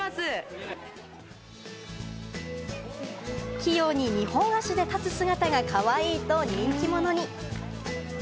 器用に２本足で立つ姿がかわいいと人気者に。